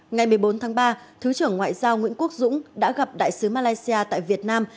ngày một mươi bốn tháng ba thứ trưởng ngoại giao nguyễn quốc dũng đã gặp đại sứ malaysia tại việt nam